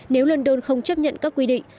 nếu london không chấp nhận các quy định